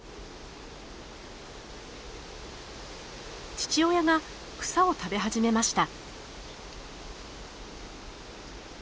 父親が草を食べ始めました。